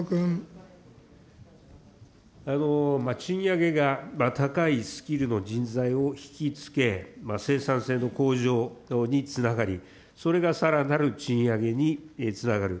賃上げが高いスキルの人材を引きつけ、生産性の向上につながり、それがさらなる賃上げにつながる。